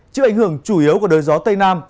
chịu ảnh hưởng chủ yếu của đời gió tây nam